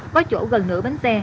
có chỗ gần nửa bánh xe